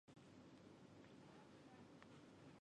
还没吃饭